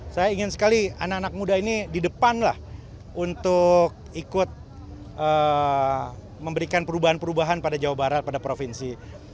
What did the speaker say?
saya ingin sekali anak anak muda ini di depan lah untuk ikut memberikan perubahan perubahan pada jawa barat pada provinsi